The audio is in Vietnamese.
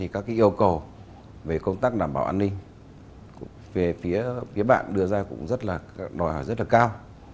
các yêu cầu về công tác đảm bảo an ninh về phía phía bạn đưa ra cũng rất là đòi hỏi rất là cao